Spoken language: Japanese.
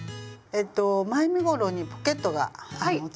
前身ごろにポケットがつきます。